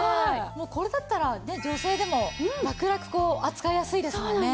もうこれだったら女性でもラクラク扱いやすいですもんね。